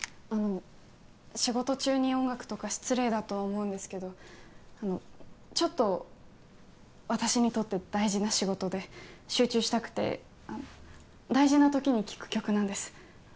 あの仕事中に音楽とか失礼だとは思うんですけどちょっと私にとって大事な仕事で集中したくて大事な時に聴く曲なんです